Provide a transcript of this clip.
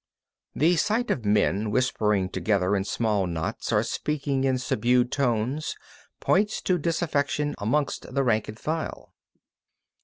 35. The sight of men whispering together in small knots or speaking in subdued tones points to disaffection amongst the rank and file.